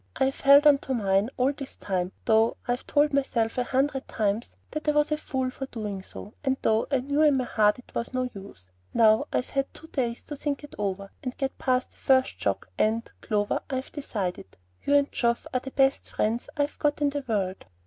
I've held on to mine all this time, though I've told myself a hundred times that I was a fool for doing so, and though I knew in my heart it was no use. Now I've had two days to think it over and get past the first shock, and, Clover, I've decided. You and Geoff are the best friends I've got in the world.